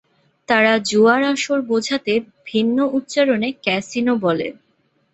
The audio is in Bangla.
তারা জুয়ার আসর বোঝাতে ভিন্ন উচ্চারণে ক্যাসিনো বলে।